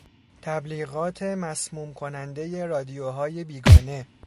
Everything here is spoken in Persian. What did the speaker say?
تبلیغات مسموم کنندهی رادیوهای بیگانه